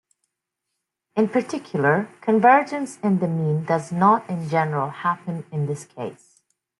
In particular, convergence in the mean does not in general happen in this case.